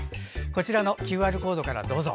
こちらのＱＲコードからどうぞ。